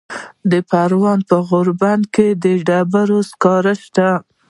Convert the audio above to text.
د پروان په غوربند کې د ډبرو سکاره شته.